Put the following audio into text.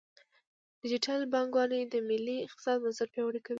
ډیجیټل بانکوالي د ملي اقتصاد بنسټ پیاوړی کوي.